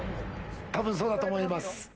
たぶんそうだと思います。